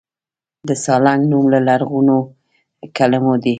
د سالنګ نوم له لرغونو کلمو دی